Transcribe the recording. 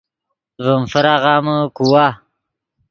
ڤیم فراغامے کوا